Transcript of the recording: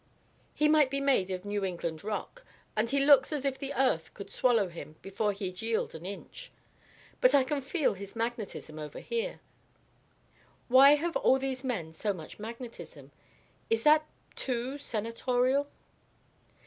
He might be made of New England rock, and he looks as if the earth could swallow him before he'd yield an inch. But I can feel his magnetism over here. Why have all these men so much magnetism? Is that, too, senatorial?"